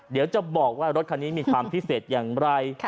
เดี๋ยวจะบอกว่ารถคันนี้มีความพิเศษอย่างไร